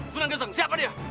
kenapa siapa dia